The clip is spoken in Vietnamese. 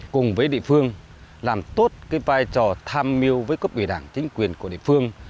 cùng với địa phương làm tốt cái vai trò tham mưu với cấp ủy đảng chính quyền của địa phương